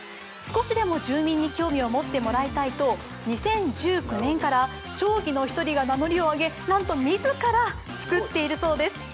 少しでも住民に興味を持ってもらいたいと２０１９年から、町議の１人が名乗りを上げなんと自ら作っているそうです。